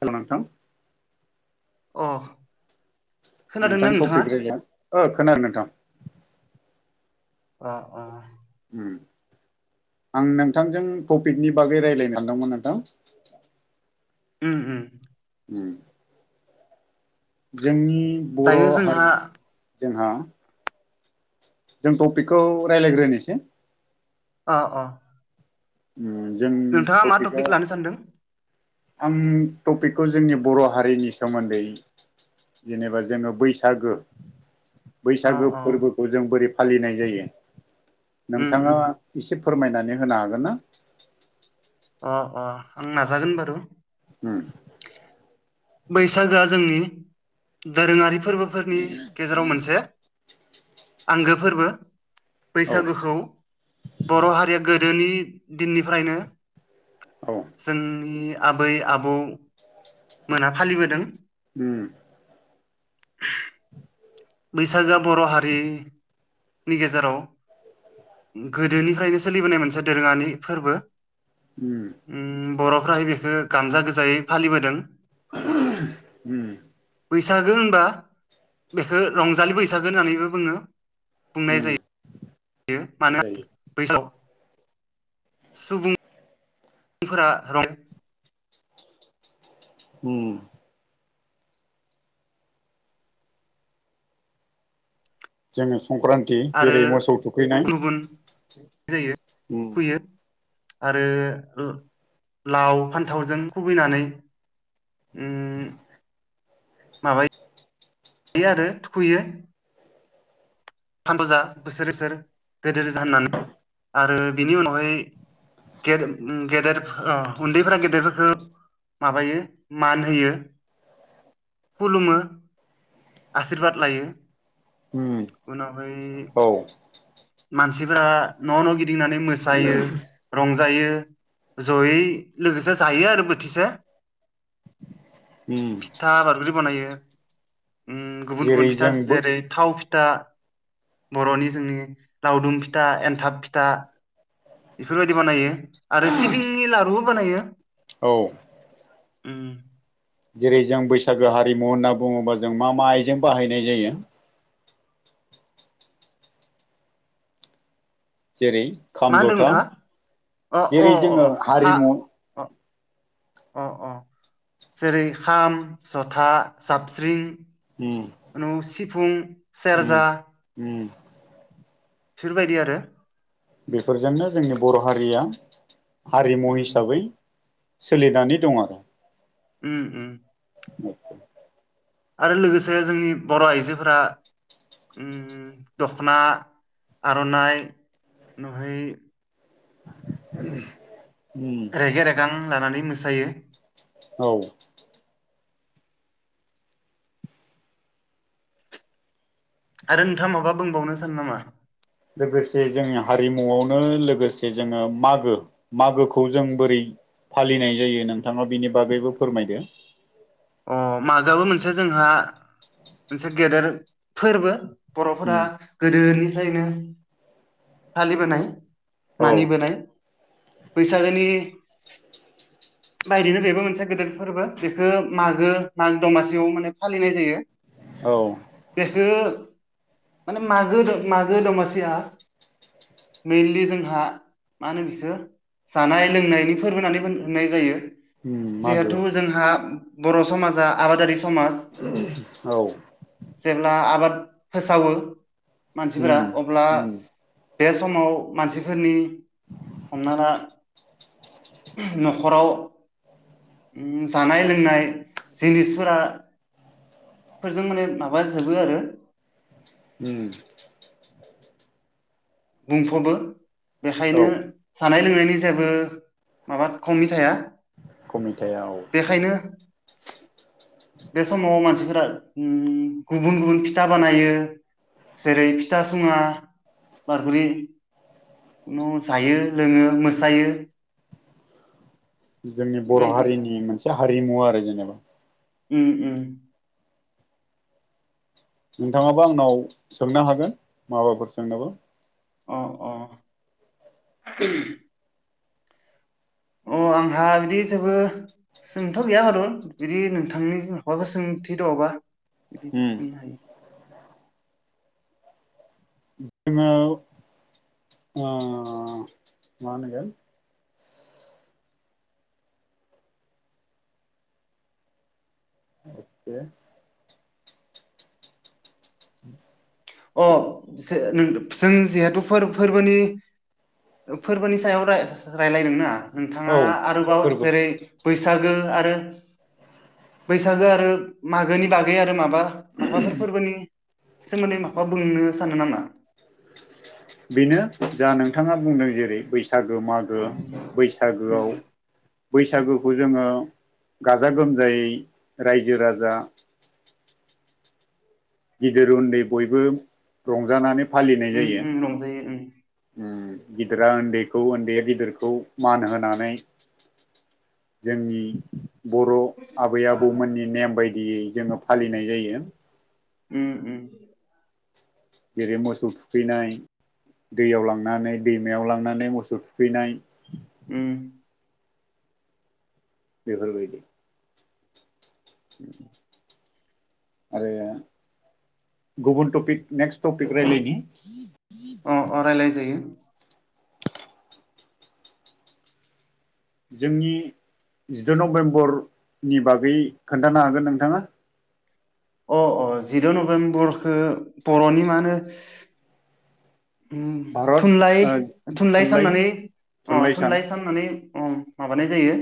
जागोन नोंथां। अ। खोनादोंना नोंथांनि नोंथाङा? टपिक राय [unintelligible] ओ खोनादो नोंथां। अ अ। उम। आं नोंथांजों टपिकनि बागै रायलायनो सानदोंमोन नोंथां। उम उम। उम। जोंनि बर' दायो जोंहा हारिनि जोंहा जों टपिकखौ रायलायग्रोनिसै। अ अ। उम जों नोंथाङा मा टपिकआ टपिक लानो सानदों? आं टपिकखौ जोंनि बर' हारिनि सोमोन्दै जेनेबा जोङो बैसागो। अ बैसागो अ फोरबोखौ जों बोरै फालिनाय जायो उम नोंथाङा उम एसे फोरमायनानै होनो हागोन ना? अ अ आं नाजागोन बारु। उम। बैसागोआ जोंनि दोरोङारि फोरबोफोरनि गेजेराव मोनसे। आंगो फोरबो औ बैसागुखौ बर' हारिया गोद‌ दोनि दिननिफ्रायनो औ जोंनि आबै आबौ मोना फालिबोदों। उम बैसागोआ बर' हारिनि गेजेराव गोदोनिफ्रायनो सोलिबोनाय मोनसे दोरोङानि फोरबो। उम उम बर'फ्राहाय बेखो गानजा गोजायै फालिबोदों। उम। बैसागो होनबा बेखौ रंजालि बैसागो होननानैबो बुङो बुंनाय उम जायो। यो मानो जायो बैसागो सुबुं फोरा रं उम। जोङो संक्रान्ति आरो जेरै मोसौ थुखैनाय गुबुन जायो उम फैयो आरो लाव फान्थावजों खुबैनानै उम माबायो आरो थुखुयो। फानबाजा बोसोर- बोसोर गेदेरजा होननानै आरो बेनि उनावहाय गेद उम गेदेर ओ उन्दैफोरा गेदेरफोरखो माबायो मान होयो। खुलुमो आसिरबाद लायो। उनावहाय औ मानसिफोरा न' न' गिदिंनानै मोसायो रंजायो जयै लोगोसे जायो आरो बोथिसे। उम फिथा बायदि बनायो। उम गुबुन- गुबुन जेरै फिथा जों जेरै थाव फिथा बर'नि जोंनि लावदुम फिथा, एनथाब फिथा बेफोरबायदि बानायो आरो सिबिंनि लारुबो बानायो। औ उम जेरै जों बैसागो हारिमु होनना बुङोबा जों मा मा आइजों बाहायनाय जायो? जेरै खाम मा होनदों जथा नोंथाङा अ -अ जेरै जोङो -अ हा हारिमु अ अ- अ जेरै खाम जथा जाबस्रिं उम नु सिफुं सेरजा उम- उम बिफोरबायदि आरो। बेफोरजोंनो जोंनि बर' हारिया हारिमु उम हिसाबै सोलिनानै दं आरो। उम- उम [unintelligible] आरो लोगोसे जोंनि बर' आइजोफोरा उम दखना, आर'नाइ नुहै [unintelligible] रेगे रेगां लानानै मोसायो। औ आरो नोंथाङा माबा बुंबावनो सानो नामा। लोगोसे जोंनि हारिमुआवनो लोगोसे जोङो मागो मागोखौ जों बोरै फालिनाय जायो नोंथाङा बिनि बागैबो फोरमायदो। अ मागोबो मोनसे जोंहा मोनसे गेदेर फोरबो। बर'फोरा उम गोदोनिफ्रायनो फालिबोनाय औ मानिबोनाय बैसागोनि बायदिनो बेबो मोनसे गोदिर फोरबो बेखो मागो माग दमासियाव माने फालिनाय जायो। औ बेखो माने मागो -मागो दमासिया मेइनलि जोंहा मा होनो बिखौ जानाय लोंनायनि फोरबो होननानै होननाय जायो। उम मागो जिहेथु जोंहा बर' समाजा आबादारि समाज औ जेब्ला आबाद फोसावो मानसिफोरा उम अब्ला उम बे समाव मानसिफोरनि हमना ला न'खराव उम जानाय लोंनाय जिनिस फोरा फोरजों माने माबा जोबो आरो उ बुंफबो औ बेखायनो जानाय लोंनायनि जेबो माबा खमनि थाया खमिथाया औ बेखायनो बे समाव मानसिफोरा उम गुबुन गुबुन फिथा बानायो जेरै फिथा सुङा बारगि उाव जायो लोङो मोसायो जोंनि बर बेबायदि आरो हारिनि मोनसे हारिमु आरो जेनेबा उओ ओ नोंथाङाबा आंनाव सोंनो हागोन माबाफोर सोंनोबो अ अ अ आंहा बिदि जेबो जोंथ गैया खार बिदि नोंथांनि माबाफोर सोंथि दङबा बिदि बिदि उम सोंनो हायो [unintelligible] [inaudible] ओ मा होनगोन बे अ जों जिहेथु फोरबोनि फोरबोनि सायाव रायलाय दोंना औ नोंथाङा आरोबाव फोरबो जेरै बैसागो आरो बैसागो आरो मागोनि बागै आरो माबा माबाफोर फोरबोनि सोमोन्दै मा बुंनो सानो नामा बेनो जा नोंथाङा बुंदों जेरै बैसागो मागो गो उम, उम, बैसागोआव बैसागुखौ जोङो गाजा गोमजायै रायजो राजा गिदिर उन्दै बयबो रंजानानै फालिनाय जायो उम, रंजायो उम, गिदिरा उन्दैखौ उन्दैया गिदिरखौ मान होनानै जोंनि बर आबै आबौमोननि नेम बायदियै जोङो फालिनाय जायो उम उम जेरै मोसौ थुखैनाय दैयाव लांनानै दैमायाव लांनानै मोसौ थुखैनाय उ बेफोरबायदि उ आरो गुबुन टपिक नेक्स्ट टपिक राय्लायनि अ अ रायज्लाय जायो जोंनि जिद नभेम्बरनि बागै खोन्थानो हागोन नोंथाङा अ अ जिद नभेम्बरखो बरनि मा होनो भारत थुनलाइ ओ थुनलाइ साननानै अ थुनलाइ साननानै अ माबानाय जायो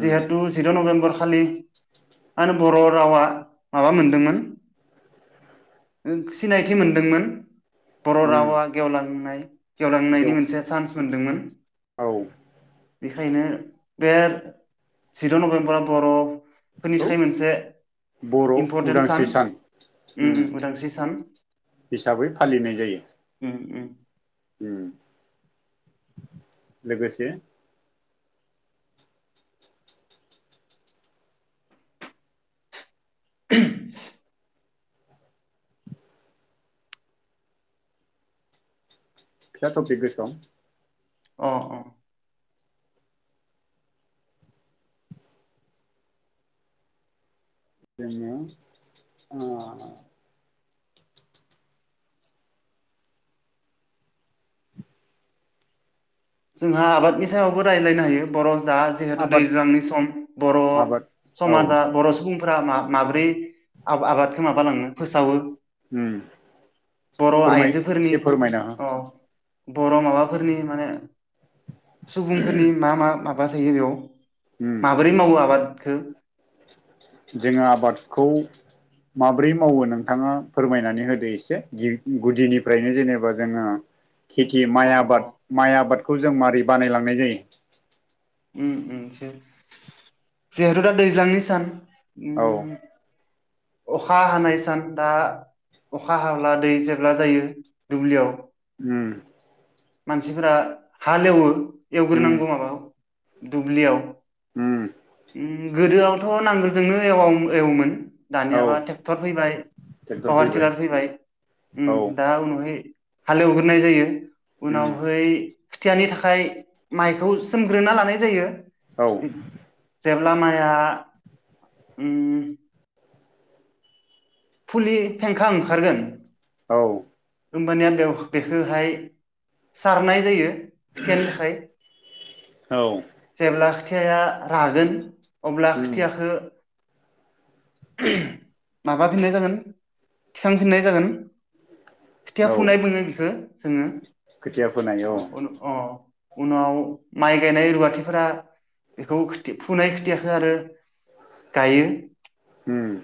उम जिहेथु जिद' नभेम्बर खालि आरो बर रावा माबा मोनदोंमोन सिनायथि मोनदोंमोन बर उम रावा गेवलांनाय गेवलांनायनि बेयाव मोनसे चान्स मोनदोंमोन औ बेखायनो बे जिद नभेम्बराव बर फोरनि थाखाय मोनसे बर' इम्परटेन्ट उदांस्रि सान उम उदांस्रि सान हिसाबै फालिनाय जायो उम उम उ लोगोसे [unintelligible] [inaudible] फिसा टपिक गोसोआव [unintelligible] अ अ जोङो ओ जोंहा आबादनि सायावबो रायलायनो हायो बर' दा जिहेतु आबाद दैज्लांनि सम बर' आबाद औ समाजा बर' सुबुं फोरा मा माब्रै आबा आबादखो माबालाङो फोसावो उम बर' फोरमाय आइजोफोरनि एसे फोरमायना हो अ बर' माबाफोरनि माने सुबुंफोरनि मा मा माबा थायो बेयाव उम माबोरै मावो आबादखो जोङो आबादखौ माब्रै मावो नोंथाङा फोरमायनानै होदो एसे [unintelligible] गुदिनिफ्रायनो जेनेबा जोङा खेथि माइ अ अ आबाद माइ आबादखौ जों माबारै बानायलांनाय जायो। उम उम सो जिहेथु दा दैज्लांनि सान औ [unintelligible] अखा हानाय सान दा अखा हाब्ला दै जेब्ला जायो दुब्लियाव उम मानसिफोरा हाल एवो उम एवग्रोनांगौ माबायाव दुब्लियाव उम उम गोदोआवथ' नांगोलजोंनो एव [unintelligible] एवोमोन औ दानियाबा थेक्थर फैबाय पावार टिलार फैबाय उम औ दा उनावहाय हालेवगोरनाय जायो उम उनावहै खोथियानि थाखाय माइखौ सोमग्रोना लानाय जायो। औ जेब्ला माइया उम फुलि फेंखा ओंखारगोन औ होमबानिया बेयाव बेखोहाय सारनाय जायो। खोथियानि थाखाय औ जेब्ला खोथिया रागोन अब्ला उम खोथियाखो [unintelligible] माबा फिननाय जागोन थिखांफिननाय जागोन खोथिया औ फुनाय बुङो बेखौ जोङो खोथिया फोनाय अ औ उन अ [unintelligible] उनाव माइ गायनाय रुवाथिफोरा बेखौ खोथ [unintelligible] फुनाय खोथियाखो आरो गायो उम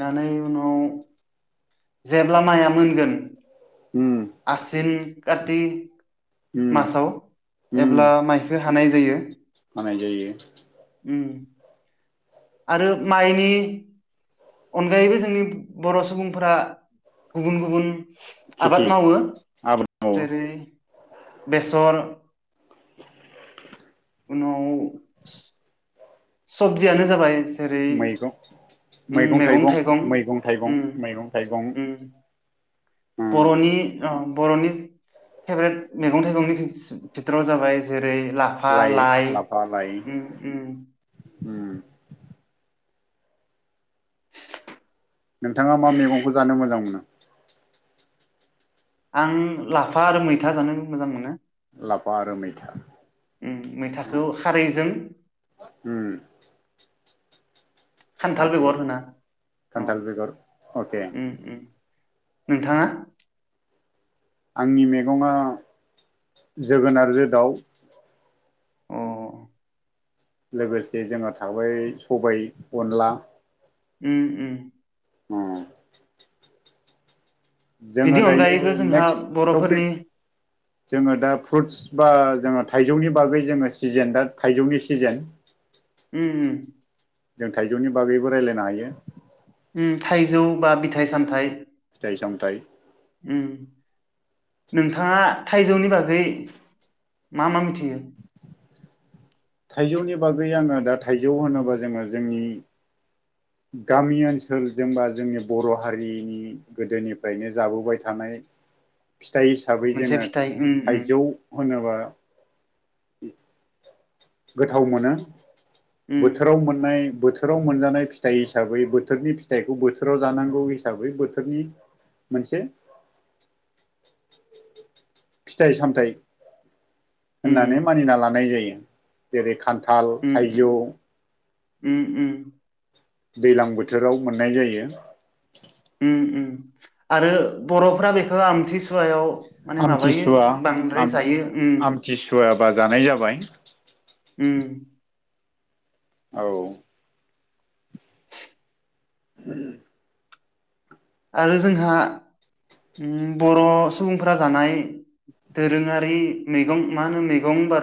[unintelligible] नानै उनाव जेब्ला माइआ मोनगोन उम आसिन काति उम मासाव उम एब्ला माइखो हानाय जायो। हानाय जायो उम आरो माइनि अनगायैबो जोंनि बर' सुबुंफोरा गुबुन गुबुन आबाद खेथि मावो आबाद मावो जेरै बेसर उनाव सबजियानो जाबाय जेरै मैगं उम मैगं मेगं थाइगं मैगं थाइगं उम मैगं थाइगं उम उम बर'नि ओ बर'नि फेभरेट मेगं थाइगंनि भि भितोराव जाबाय जेरै लाफा लाइ लाफा लाइ उम उम उम नोंथाङा मा मेगंखौ जानो मोजां मोनो? आं लाफा आरो मैथा जानो मोजां मोनो। लाफा आरो मैथा उम उम मैथाखौ खारैजों उम खान्थाल अके बेगर होना अ खान्थाल बेगर अके नोंथांङा। आंनि मैगंङा जोगोनारजो दाउ। अ लोगोसे जोंहा थाबाय सबाय अनला। उम उम ह। जोङो बिनि दायो अनगायैबो जोंहा नेक्स्ट बर'फोरनि टपिक जोङो दा फ्रुतस बा जोङो थाइजौनि बागै जोङो सिजेन दा थाइजौनि सिजेन। उम उम जों थाइजौनि बागैबो रायजलायनो हायो। उम थाइजौ बा बिथाइ सामथाइ। फिथाय सामथाय। उम नोंथाङा थाइजौनि बागै मा मा मिथियो? थाइजौनि बागै आङो दा थाइजौ होनोबा जोङो जोंनि गामि ओनसोल जेनबा जोंनि बर' हारिनि गोदोनिफ्रायनो जाबोबाय थानाय ए। फिथाइ हिसाबै जोङो थाइजौ होनोबा गोथाव मोनो। बोथोराव उम मोननाय बोथोराव मोनजानाय फिथाइ हिसाबै बोथोरनि फिथायखौ बोथोराव जानांगौ हिसाबै बोथोरनि मोनसे फिथाइ सामथाइ होननानै मानिना लानाय जायो जेरै खान्थाल उम उम थाइजौ। उम उम। दैज्लां बोथोराव मोननाय जायो। ओम ओम आरो बर'फोरा बेखो आमथि सु सुवायाव माने माबायो आमथिसुवा आम बांद्राय जायो। आमथिसुवाबा जानाय जाबाय उम औ। औ। आरो जोंहा ओम बर' सुबुंफोरा जानाय दोरोङारि मैगं मा होनो मैगं बार